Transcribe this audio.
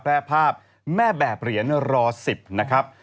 แพร่ภาพแม่แบบเหรียญรอ๑๐นะครับ